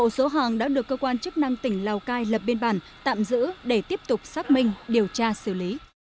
một số hàng đã được cơ quan chức năng tỉnh lào cai lập biên bản tạm giữ để tiếp tục xác minh điều tra xử lý